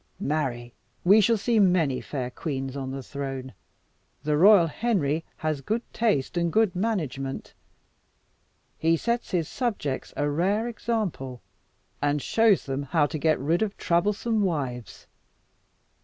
Marry! we shall see many fair queens on the throne. The royal Henry has good taste and good management. He sets his subjects a rare example, and shows them how to get rid of troublesome wives.